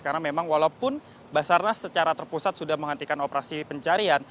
karena memang walaupun basarnas secara terpusat sudah menghentikan operasi pencarian